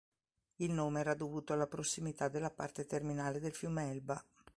Il nome era dovuto alla prossimità della parte terminale del fiume Elba.